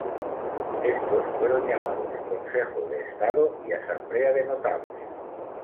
Estos fueron llamados "Consejo de Estado" y "Asamblea de Notables".